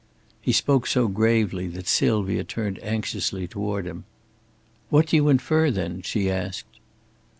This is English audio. He spoke so gravely that Sylvia turned anxiously toward him. "What do you infer, then?" she asked.